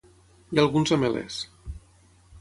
Hi ha alguns ametllers.